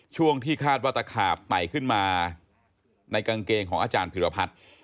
ช่วงที่คาดวัตกาลใหม่ขึ้นมาในกางเกงของอาจารย์ผิดวพัฒน์